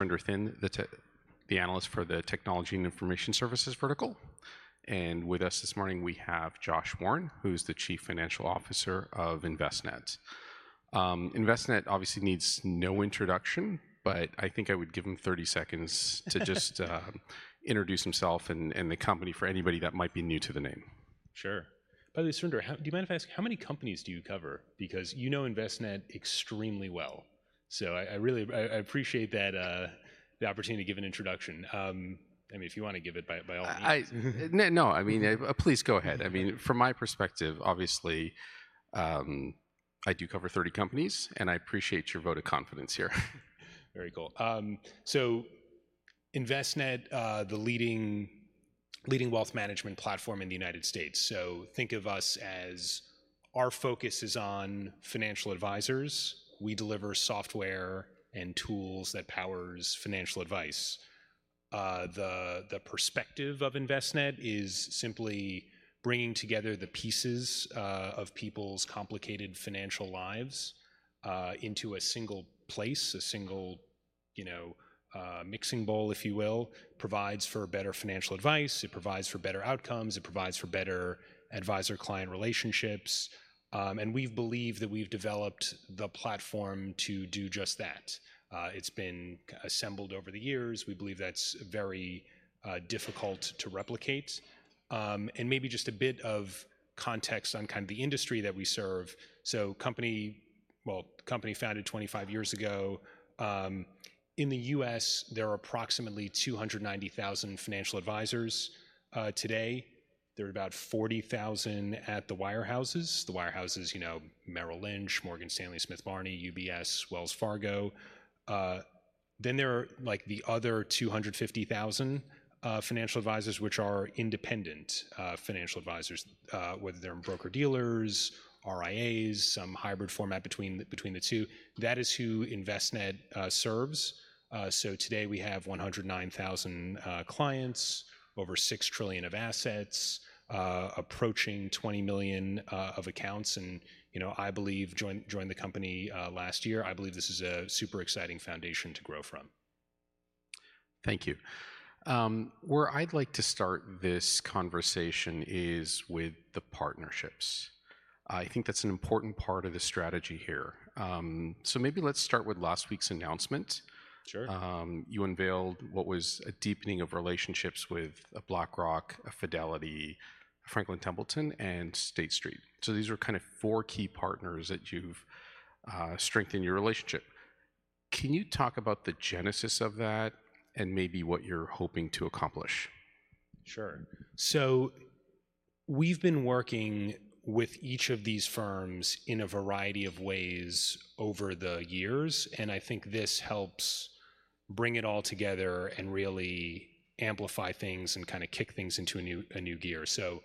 Surinder Thind, the analyst for the Technology and Information Services vertical. And with us this morning, we have Josh Warren, who's the Chief Financial Officer of Envestnet. Envestnet obviously needs no introduction, but I think I would give him 30 seconds to just introduce himself and the company for anybody that might be new to the name. Sure. By the way, Surinder, how do you mind if I ask, how many companies do you cover? Because you know Envestnet extremely well. So I really appreciate that, the opportunity to give an introduction. I mean, if you wanna give it, by all means. No, I mean, please go ahead. I mean, from my perspective, obviously, I do cover 30 companies, and I appreciate your vote of confidence here. Very cool. So Envestnet, the leading wealth management platform in the United States. So think of us as our focus is on financial advisors. We deliver software and tools that powers financial advice. The perspective of Envestnet is simply bringing together the pieces of people's complicated financial lives into a single place, a single, you know, mixing bowl, if you will. Provides for better financial advice, it provides for better outcomes, it provides for better advisor-client relationships. And we believe that we've developed the platform to do just that. It's been assembled over the years. We believe that's very difficult to replicate. And maybe just a bit of context on kind of the industry that we serve. So company founded 25 years ago. In the U.S., there are approximately 290,000 financial advisors. Today, there are about 40,000 at the wirehouses. The wirehouses, you know, Merrill Lynch, Morgan Stanley, Smith Barney, UBS, Wells Fargo. Then there are, like, the other 250,000 financial advisors, which are independent financial advisors, whether they're in broker-dealers, RIAs, some hybrid format between the two. That is who Envestnet serves. So today we have 109,000 clients, over $6 trillion of assets, approaching 20 million of accounts. And, you know, I believe joined the company last year. I believe this is a super exciting foundation to grow from. Thank you. Where I'd like to start this conversation is with the partnerships. I think that's an important part of the strategy here. So maybe let's start with last week's announcement. Sure. You unveiled what was a deepening of relationships with BlackRock, Fidelity, Franklin Templeton, and State Street. So these are kind of four key partners that you've strengthened your relationship. Can you talk about the genesis of that and maybe what you're hoping to accomplish? Sure. So we've been working with each of these firms in a variety of ways over the years, and I think this helps bring it all together and really amplify things and kind of kick things into a new gear. So,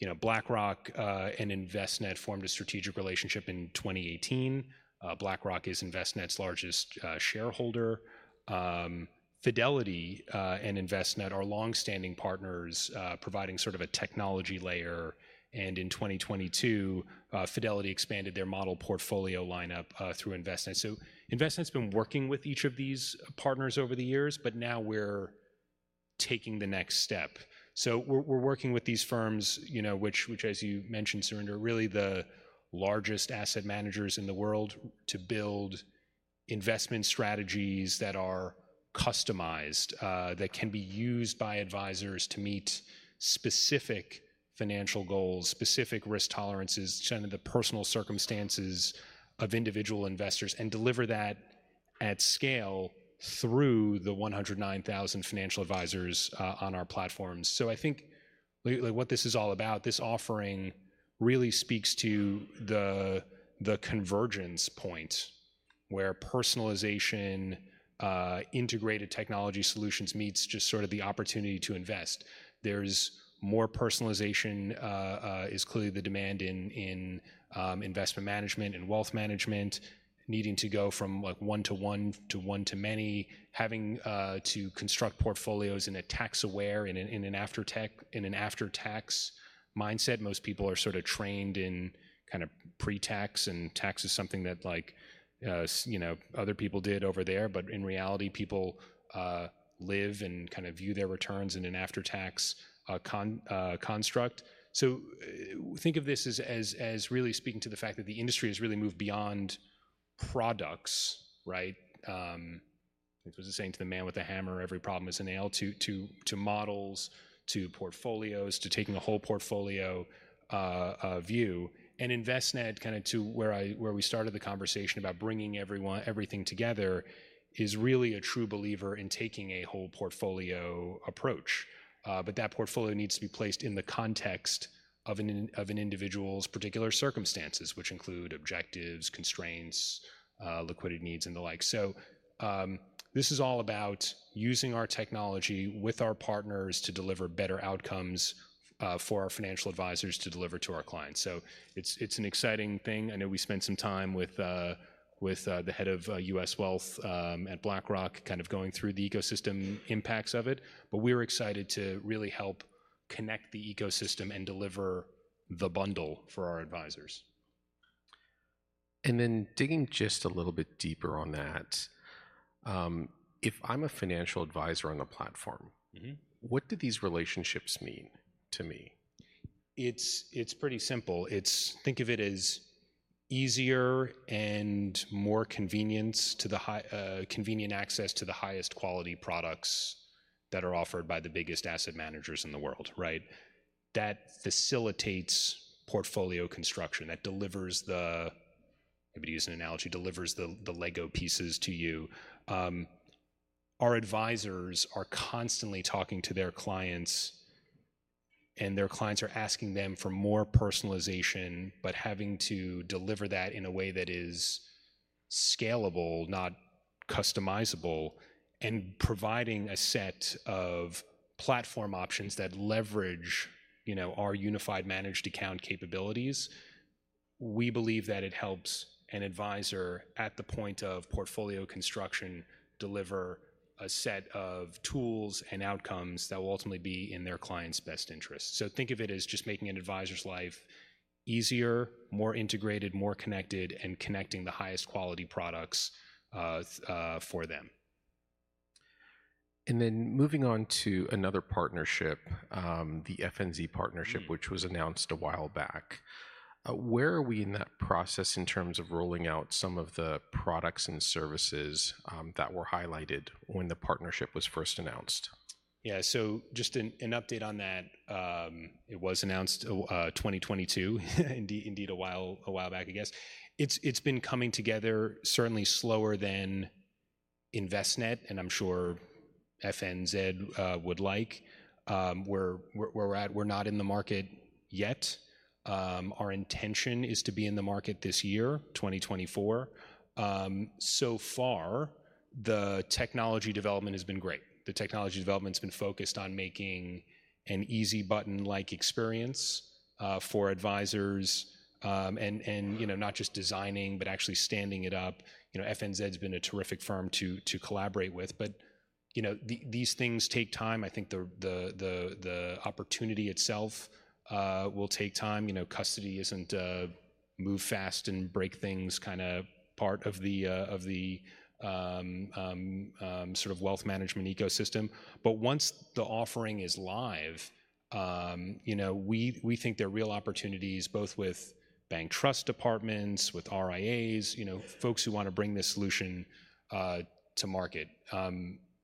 you know, BlackRock and Envestnet formed a strategic relationship in 2018. BlackRock is Envestnet's largest shareholder. Fidelity and Envestnet are longstanding partners, providing sort of a technology layer, and in 2022, Fidelity expanded their model portfolio lineup through Envestnet. So Envestnet's been working with each of these partners over the years, but now we're taking the next step. So we're working with these firms, you know, which, as you mentioned, Surinder, really the largest asset managers in the world, to build investment strategies that are customized, that can be used by advisors to meet specific financial goals, specific risk tolerances, some of the personal circumstances of individual investors, and deliver that at scale through the 109,000 financial advisors on our platforms. So I think like, what this is all about, this offering really speaks to the convergence point, where personalization, integrated technology solutions meets just sort of the opportunity to invest. There's more personalization is clearly the demand in, in, investment management and wealth management, needing to go from, like, one to one to one to many, having to construct portfolios in a tax-aware, in an after-tax mindset. Most people are sort of trained in kind of pre-tax, and tax is something that, like, you know, other people did over there, but in reality, people live and kind of view their returns in an after-tax construct. So think of this as really speaking to the fact that the industry has really moved beyond products, right? I was just saying to the man with the hammer, every problem is a nail, to models, to portfolios, to taking a whole portfolio view. Envestnet, kind of to where we started the conversation about bringing everything together, is really a true believer in taking a whole portfolio approach. But that portfolio needs to be placed in the context of an individual's particular circumstances, which include objectives, constraints, liquidity needs, and the like. So, this is all about using our technology with our partners to deliver better outcomes for our financial advisors to deliver to our clients. So it's, it's an exciting thing. I know we spent some time with the head of U.S. Wealth at BlackRock, kind of going through the ecosystem impacts of it, but we're excited to really help connect the ecosystem and deliver the bundle for our advisors.... And then digging just a little bit deeper on that, if I'm a financial advisor on the platform- Mm-hmm. What do these relationships mean to me? It's pretty simple. It's think of it as easier and more convenience to the high, convenient access to the highest quality products that are offered by the biggest asset managers in the world, right? That facilitates portfolio construction, that delivers, maybe to use an analogy, the Lego pieces to you. Our advisors are constantly talking to their clients, and their clients are asking them for more personalization, but having to deliver that in a way that is scalable, not customizable. And providing a set of platform options that leverage, you know, our Unified Managed Account capabilities, we believe that it helps an advisor at the point of portfolio construction, deliver a set of tools and outcomes that will ultimately be in their client's best interest. So think of it as just making an advisor's life easier, more integrated, more connected, and connecting the highest quality products, for them. Moving on to another partnership, the FNZ partnership- Mm-hmm... which was announced a while back. Where are we in that process in terms of rolling out some of the products and services, that were highlighted when the partnership was first announced? Yeah. So just an update on that. It was announced in 2022, indeed a while back, I guess. It's been coming together certainly slower than Envestnet, and I'm sure FNZ would like. We're not in the market yet. Our intention is to be in the market this year, 2024. So far, the technology development has been great. The technology development's been focused on making an easy button-like experience for advisors, and, you know, not just designing, but actually standing it up. You know, FNZ's been a terrific firm to collaborate with, but, you know, these things take time. I think the opportunity itself will take time. You know, custody isn't a move fast and break things kinda part of the sort of wealth management ecosystem. But once the offering is live, you know, we think there are real opportunities both with bank trust departments, with RIAs, you know, folks who wanna bring this solution to market.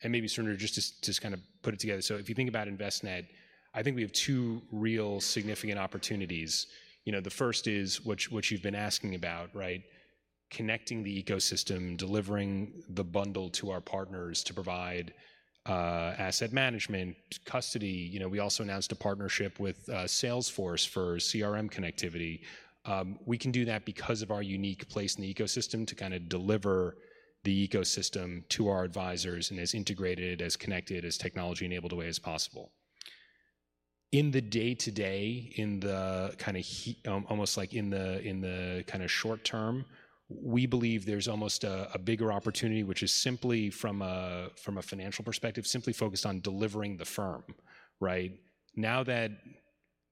And maybe, Srini, just kind of put it together. So if you think about Envestnet, I think we have two real significant opportunities. You know, the first is, which you've been asking about, right? Connecting the ecosystem, delivering the bundle to our partners to provide asset management, custody. You know, we also announced a partnership with Salesforce for CRM connectivity. We can do that because of our unique place in the ecosystem to kinda deliver the ecosystem to our advisors in as integrated, as connected, as technology-enabled a way as possible. In the day-to-day, in the kinda almost like in the kinda short term, we believe there's almost a bigger opportunity, which is simply from a financial perspective, simply focused on delivering the firm, right? Now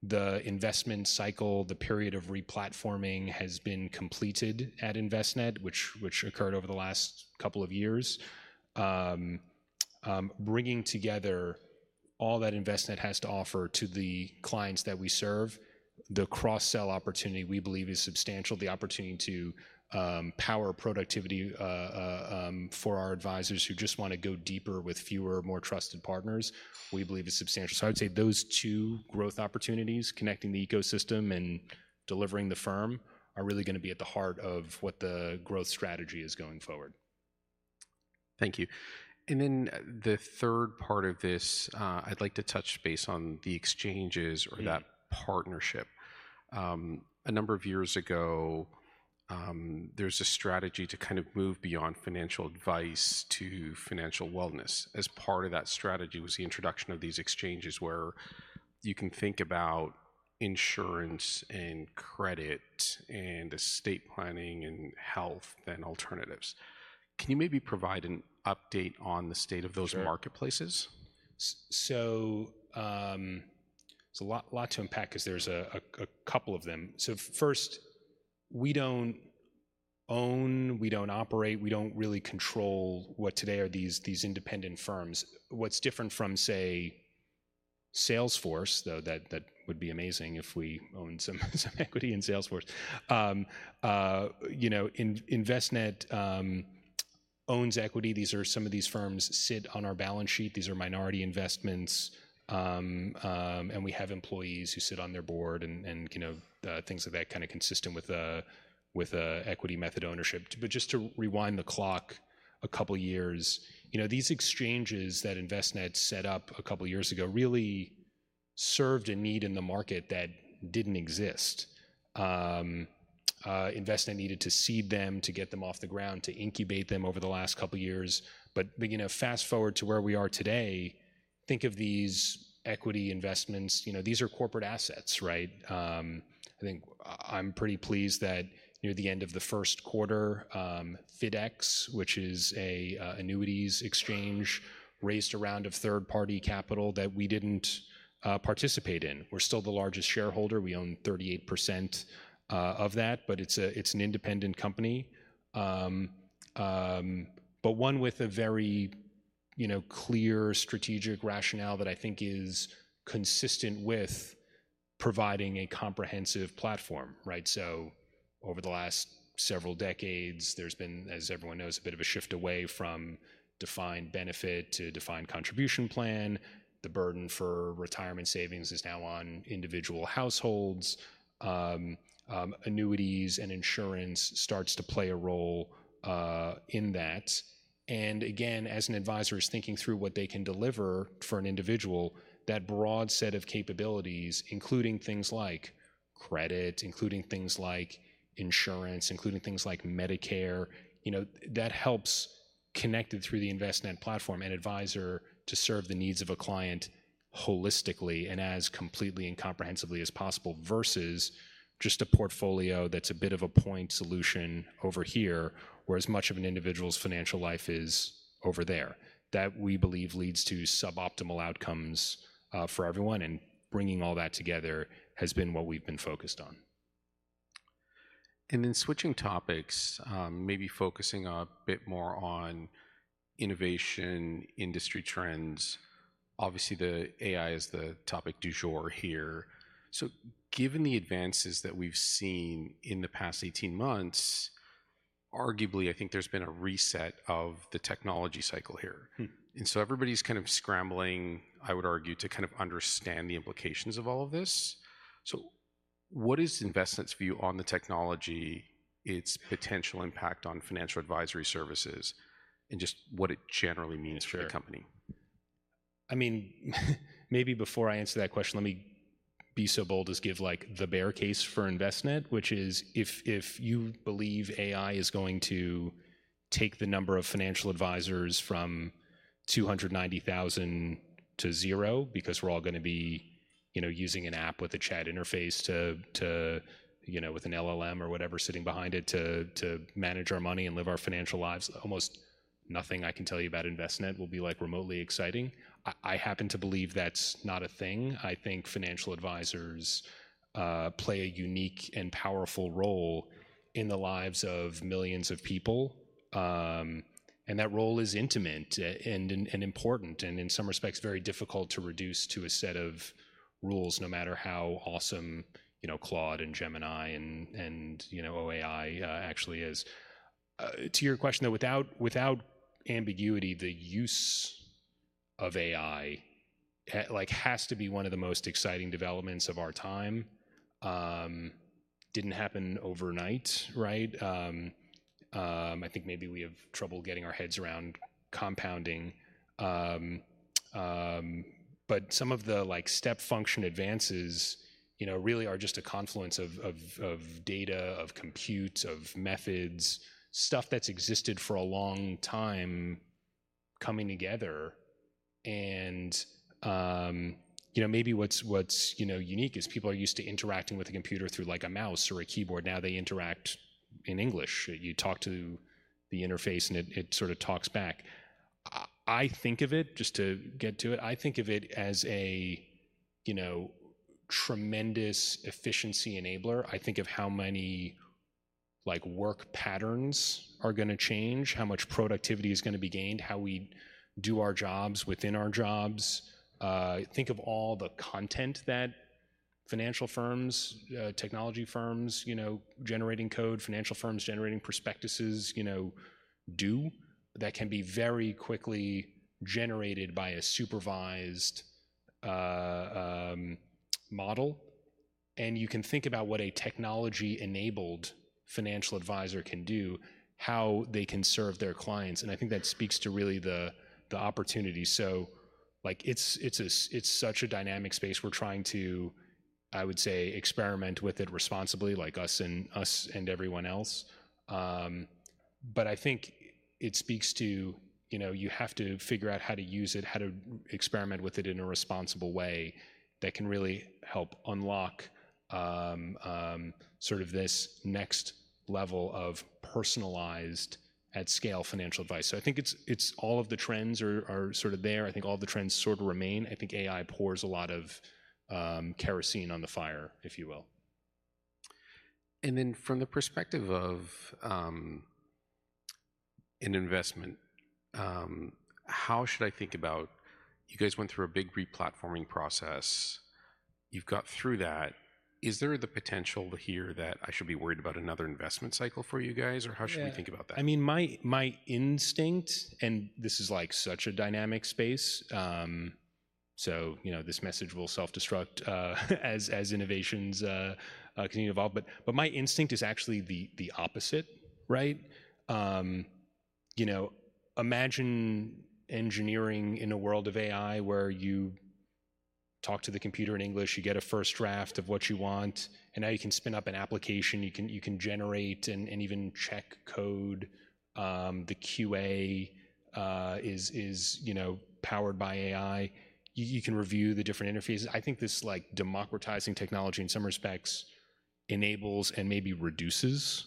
that the investment cycle, the period of replatforming has been completed at Envestnet, which occurred over the last couple of years, bringing together all that Envestnet has to offer to the clients that we serve, the cross-sell opportunity, we believe, is substantial. The opportunity to power productivity for our advisors who just wanna go deeper with fewer, more trusted partners, we believe is substantial. I'd say those two growth opportunities, connecting the ecosystem and delivering the firm, are really gonna be at the heart of what the growth strategy is going forward. Thank you. And then the third part of this, I'd like to touch base on the exchanges- Mm... or that partnership. A number of years ago, there was a strategy to kind of move beyond financial advice to financial wellness. As part of that strategy was the introduction of these exchanges, where you can think about insurance and credit and estate planning and health and alternatives. Can you maybe provide an update on the state of those- Sure... marketplaces? So, it's a lot to unpack 'cause there's a couple of them. So first, we don't own, we don't operate, we don't really control what today are these independent firms. What's different from, say, Salesforce, though, that would be amazing if we owned some equity in Salesforce. You know, Envestnet owns equity. These are some of these firms sit on our balance sheet. These are minority investments, and we have employees who sit on their board and, you know, things of that kind of consistent with Equity Method ownership. But just to rewind the clock a couple years, you know, these exchanges that Envestnet set up a couple years ago really served a need in the market that didn't exist. Envestnet needed to seed them, to get them off the ground, to incubate them over the last couple years. But, you know, fast-forward to where we are today, think of these equity investments, you know, these are corporate assets, right? I think I'm pretty pleased that near the end of the first quarter, FIDx, which is a annuities exchange, raised a round of third-party capital that we didn't participate in. We're still the largest shareholder. We own 38% of that, but it's a, it's an independent company. But one with a very you know, clear strategic rationale that I think is consistent with providing a comprehensive platform, right? So over the last several decades, there's been, as everyone knows, a bit of a shift away from defined benefit to defined contribution plan. The burden for retirement savings is now on individual households. Annuities and insurance starts to play a role in that. And again, as an advisor is thinking through what they can deliver for an individual, that broad set of capabilities, including things like credit, including things like insurance, including things like Medicare, you know, that helps connected through the Envestnet platform and advisor to serve the needs of a client holistically and as completely and comprehensively as possible, versus just a portfolio that's a bit of a point solution over here, whereas much of an individual's financial life is over there. That, we believe, leads to suboptimal outcomes for everyone, and bringing all that together has been what we've been focused on. Then switching topics, maybe focusing a bit more on innovation, industry trends. Obviously, the AI is the topic du jour here. So given the advances that we've seen in the past 18 months, arguably, I think there's been a reset of the technology cycle here. Hmm. And so everybody's kind of scrambling, I would argue, to kind of understand the implications of all of this. So what is Envestnet's view on the technology, its potential impact on financial advisory services, and just what it generally means? Sure... for your company? I mean, maybe before I answer that question, let me be so bold as give, like, the bear case for Envestnet, which is if you believe AI is going to take the number of financial advisors from 290,000 to 0 because we're all gonna be, you know, using an app with a chat interface to, you know, with an LLM or whatever, sitting behind it, to manage our money and live our financial lives, almost nothing I can tell you about Envestnet will be, like, remotely exciting. I happen to believe that's not a thing. I think financial advisors play a unique and powerful role in the lives of millions of people. And that role is intimate and important, and in some respects, very difficult to reduce to a set of rules, no matter how awesome, you know, Claude and Gemini and, you know, OAI actually is. To your question, though, without ambiguity, the use of AI like has to be one of the most exciting developments of our time. Didn't happen overnight, right? I think maybe we have trouble getting our heads around compounding. But some of the like step function advances, you know, really are just a confluence of data, of compute, of methods, stuff that's existed for a long time coming together. And, you know, maybe what's unique is people are used to interacting with a computer through like a mouse or a keyboard. Now they interact in English. You talk to the interface, and it sort of talks back. I think of it... Just to get to it, I think of it as a, you know, tremendous efficiency enabler. I think of how many, like, work patterns are gonna change, how much productivity is gonna be gained, how we do our jobs within our jobs. Think of all the content that financial firms, technology firms, you know, generating code, financial firms generating prospectuses, you know, that can be very quickly generated by a supervised model. And you can think about what a technology-enabled financial advisor can do, how they can serve their clients, and I think that speaks to really the opportunity. So, like, it's such a dynamic space. We're trying to, I would say, experiment with it responsibly, like us and everyone else. But I think it speaks to, you know, you have to figure out how to use it, how to experiment with it in a responsible way that can really help unlock sort of this next level of personalized, at-scale financial advice. So I think it's all of the trends are sort of there. I think all the trends sort of remain. I think AI pours a lot of kerosene on the fire, if you will. From the perspective of an investment, how should I think about... You guys went through a big replatforming process. You've got through that. Is there the potential to hear that I should be worried about another investment cycle for you guys? Yeah. Or how should we think about that? I mean, my instinct, and this is, like, such a dynamic space, so, you know, this message will self-destruct, as innovations continue to evolve. But my instinct is actually the opposite, right? You know, imagine engineering in a world of AI, where you talk to the computer in English, you get a first draft of what you want, and now you can spin up an application. You can generate and even check code. The QA is, you know, powered by AI. You can review the different interfaces. I think this, like, democratizing technology, in some respects, enables and maybe reduces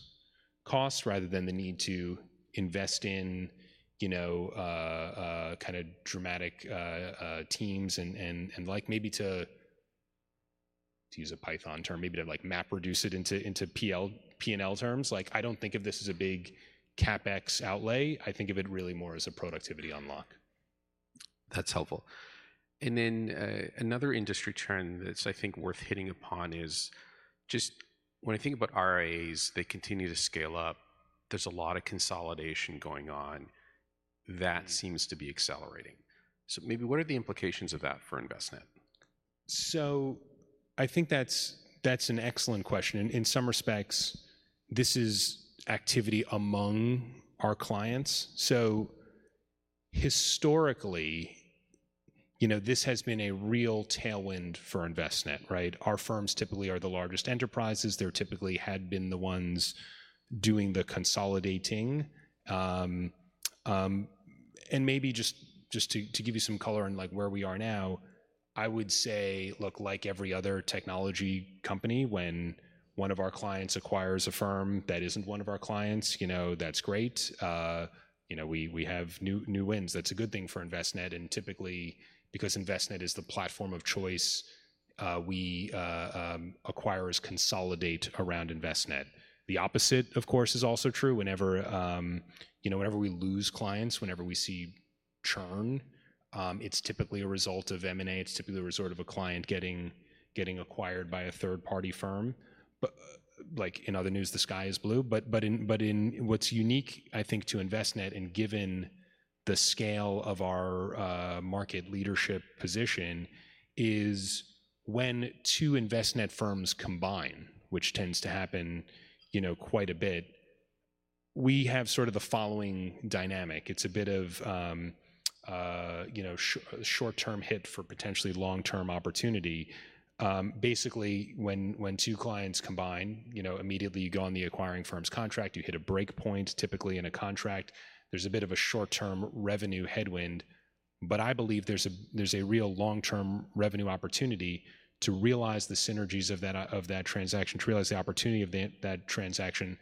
costs, rather than the need to invest in, you know, kind of dramatic teams and, and, like, maybe to-... to use a Python term, maybe to, like, MapReduce it into P&L terms. Like, I don't think of this as a big CapEx outlay. I think of it really more as a productivity unlock. That's helpful. And then, another industry trend that's, I think, worth hitting upon is just when I think about RIAs, they continue to scale up. There's a lot of consolidation going on. Mm. That seems to be accelerating. So maybe what are the implications of that for Envestnet? So I think that's an excellent question, and in some respects, this is activity among our clients. So historically, you know, this has been a real tailwind for Envestnet, right? Our firms typically are the largest enterprises. They're typically had been the ones doing the consolidating. And maybe just to give you some color on, like, where we are now, I would say, look, like every other technology company, when one of our clients acquires a firm that isn't one of our clients, you know, that's great. You know, we have new wins. That's a good thing for Envestnet, and typically, because Envestnet is the platform of choice, acquirers consolidate around Envestnet. The opposite, of course, is also true. Whenever you know, whenever we lose clients, whenever we see churn, it's typically a result of M&A. It's typically the result of a client getting acquired by a third-party firm. But, like, in other news, the sky is blue. But in, what's unique, I think, to Envestnet, and given the scale of our market leadership position, is when two Envestnet firms combine, which tends to happen, you know, quite a bit, we have sort of the following dynamic. It's a bit of, you know, short-term hit for potentially long-term opportunity. Basically, when two clients combine, you know, immediately you go on the acquiring firm's contract, you hit a breakpoint typically in a contract. There's a bit of a short-term revenue headwind, but I believe there's a real long-term revenue opportunity to realize the synergies of that transaction, to realize the opportunity of that transaction.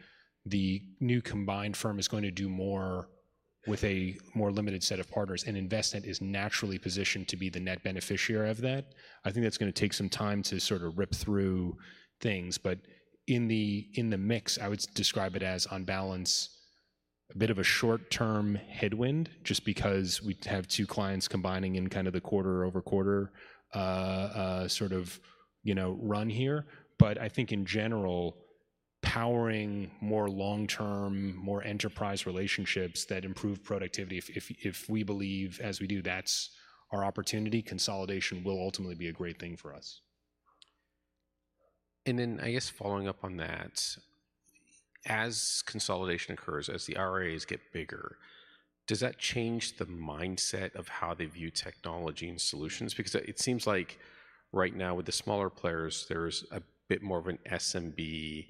The new combined firm is going to do more with a more limited set of partners, and Envestnet is naturally positioned to be the net beneficiary of that. I think that's gonna take some time to sort of rip through things, but in the mix, I would describe it as, on balance, a bit of a short-term headwind, just because we have two clients combining in kind of the quarter-over-quarter sort of, you know, run here. But I think in general, powering more long-term, more enterprise relationships that improve productivity, if we believe as we do, that's our opportunity, consolidation will ultimately be a great thing for us. And then, I guess following up on that, as consolidation occurs, as the RIAs get bigger, does that change the mindset of how they view technology and solutions? Because it seems like right now, with the smaller players, there's a bit more of an SMB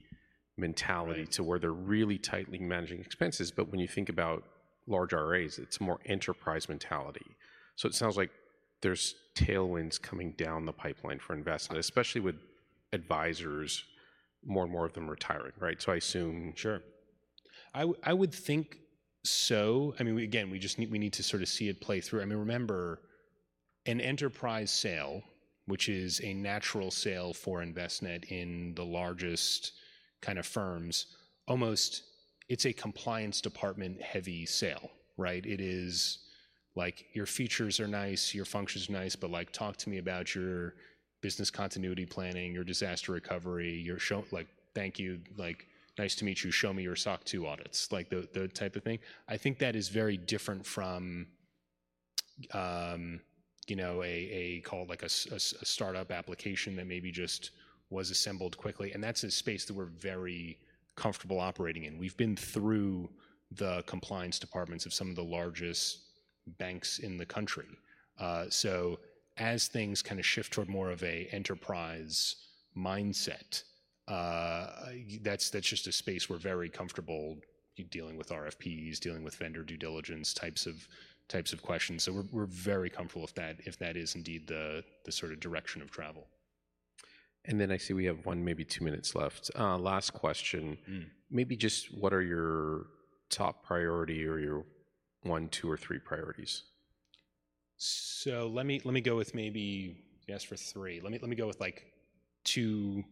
mentality- Right... to where they're really tightly managing expenses. But when you think about large RIAs, it's a more enterprise mentality. So it sounds like there's tailwinds coming down the pipeline for Envestnet- Right... especially with advisors, more and more of them retiring, right? So I assume- Sure. I would think so. I mean, we again, we just need, we need to sort of see it play through. I mean, remember, an enterprise sale, which is a natural sale for Envestnet in the largest kind of firms, almost it's a compliance department heavy sale, right? It is like, "Your features are nice, your functions are nice, but, like, talk to me about your business continuity planning, your disaster recovery, your show..." Like, "Thank you. Like, nice to meet you. Show me your SOC 2 audits." Like, the, the type of thing. I think that is very different from, you know, a call, like a startup application that maybe just was assembled quickly, and that's a space that we're very comfortable operating in. We've been through the compliance departments of some of the largest banks in the country. So as things kind of shift toward more of an enterprise mindset, that's just a space we're very comfortable dealing with RFPs, dealing with vendor due diligence types of questions. So we're very comfortable if that is indeed the sort of direction of travel. Then I see we have 1, maybe 2 minutes left. Last question. Mm. Maybe just what are your top priority or your one, two, or three priorities? So let me, let me go with maybe. You asked for three. Let me, let me go with, like, two,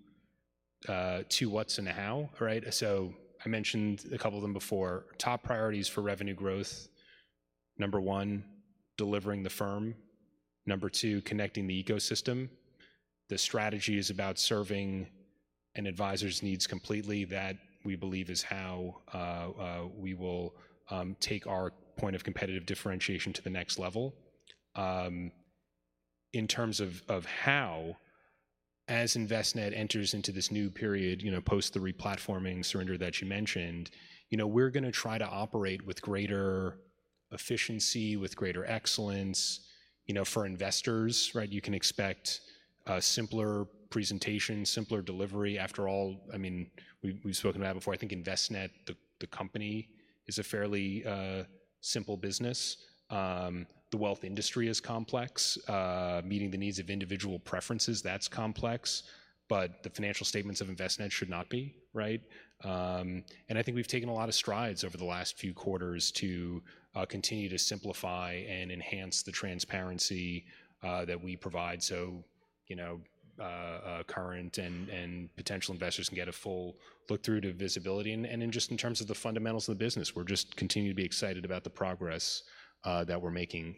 two what's and how, right? So I mentioned a couple of them before. Top priorities for revenue growth: number one, delivering the firm. Number two, connecting the ecosystem. The strategy is about serving an advisor's needs completely. That, we believe, is how we will take our point of competitive differentiation to the next level. In terms of how, as Envestnet enters into this new period, you know, post the replatforming, Surinder, that you mentioned, you know, we're gonna try to operate with greater efficiency, with greater excellence, you know, for investors, right? You can expect a simpler presentation, simpler delivery. After all, I mean, we, we've spoken about it before. I think Envestnet, the company, is a fairly simple business. The wealth industry is complex. Meeting the needs of individual preferences, that's complex. But the financial statements of Envestnet should not be, right? And I think we've taken a lot of strides over the last few quarters to continue to simplify and enhance the transparency that we provide, so you know, current and potential investors can get a full look through to visibility. And in just terms of the fundamentals of the business, we're just continuing to be excited about the progress that we're making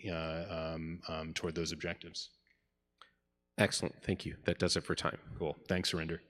toward those objectives. Excellent. Thank you. That does it for time. Cool. Thanks, Surinder.